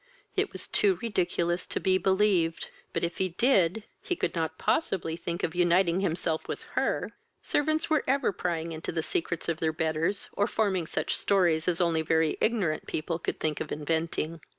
It was too ridiculous to be believed; but, if he did, he could not possibly think of uniting himself with her! Servants were ever prying into the secrets of their betters, or forming such stories as only very ignorant people could think of inventing.